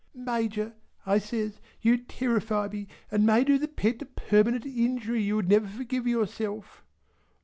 "Major," I says, "you terrify me and may do the pet a permanent injury you would never forgive yourself."